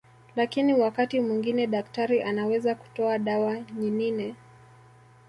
Lakini wakati mwingine daktari anaweza kutoa dawa nyinine